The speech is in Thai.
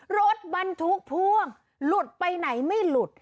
รถบรรทุกพ่วงหลุดไปไหนไม่หลุด